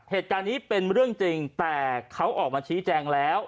เหตุการณ์นี้เป็นเรื่องจริงแต่เขาออกมาชี้แจงแล้ว